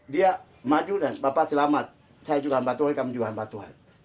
dia maju dan bapak selamat saya juga hamba tuhan kami juga hamba tuhan